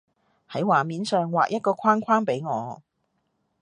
喺畫面上畫一個框框畀我